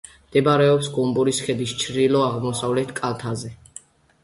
მდებარეობს გომბორის ქედის ჩრდილო-აღმოსავლეთ კალთაზე.